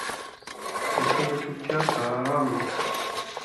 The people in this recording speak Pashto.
پسه له چوپتیا سره آرام وي.